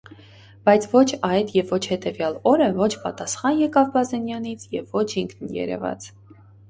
Բայց ոչ այդ և ոչ հետևյալ օրը ոչ պատասխան եկավ Բազենյանից և ոչ ինքն երևաց: